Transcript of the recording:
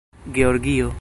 georgio